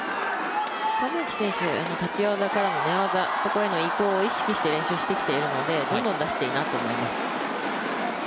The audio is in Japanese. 玉置選手、立ち技からの寝技、そこを意識して練習しているのでどんどん出していいと思います。